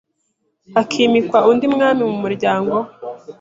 hakimikwa undi Mwami mumuryango we